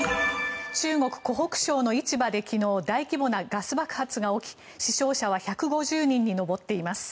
中国・湖北省の市場で昨日大規模なガス爆発が起き死傷者は１５０人に上っています。